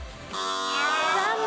残念！